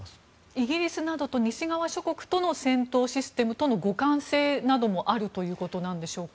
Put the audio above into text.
イギリスなど西側諸国との戦闘システムとの互換性などもあるということなんでしょうか。